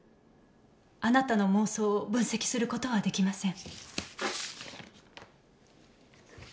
あなたの妄想を分析する事は出来ません。